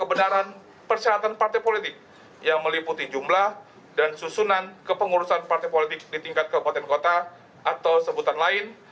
kebenaran persyaratan partai politik yang meliputi jumlah dan susunan kepengurusan partai politik di tingkat kabupaten kota atau sebutan lain